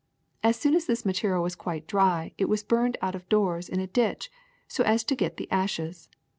As soon as this ma terial was quite dry it was burned out of doors in a ditch, so as to get the ashes.